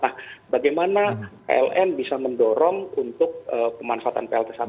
nah bagaimana pln bisa mendorong untuk pemanfaatan pln